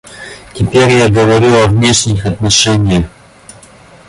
Теперь я говорю о внешних отношениях.